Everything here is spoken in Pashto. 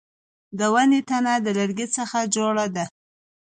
د ونې تنه د لرګي څخه جوړه ده